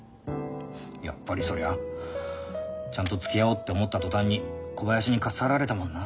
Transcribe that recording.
やっぱりそりゃちゃんとつきあおうって思った途端に小林にかっさらわれたもんな。